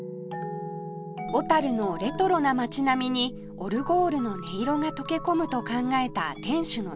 小のレトロな街並みにオルゴールの音色が溶け込むと考えた店主の塚原さん